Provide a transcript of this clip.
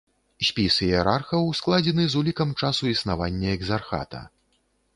Спіс іерархаў складзены з улікам часу існавання экзархата.